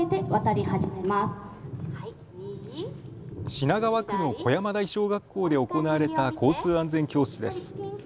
品川区の小山台小学校で行われた交通安全教室です。